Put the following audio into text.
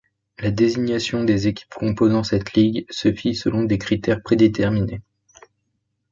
La désignation des équipes composant cette ligue se fit selon des critères prédéterminés.